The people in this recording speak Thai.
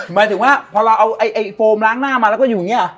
หมายถึงว่าพอเราเอาไอ้โฟมล้างหน้ามาแล้วก็อยู่อย่างนี้หรอ